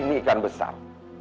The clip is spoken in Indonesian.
ini ikan besar